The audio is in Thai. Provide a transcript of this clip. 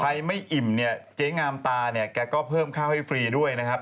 ใครไม่อิ่มเนี่ยเจ๊งามตาเนี่ยแกก็เพิ่มข้าวให้ฟรีด้วยนะครับ